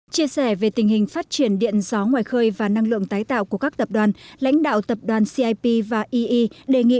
chia sẻ về tình hình phát triển điện gió ngoài khơi và năng lượng tái tạo của các tập đoàn lãnh đạo tập đoàn cip và ee đề nghị